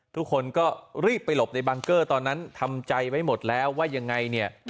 ทุกคนก็รีบไปหลบในบังเกอร์ตอนนั้นทำใจไว้หมดแล้วว่ายังไงเนี่ย